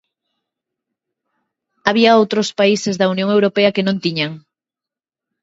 Había outros países da Unión Europea que non tiñan.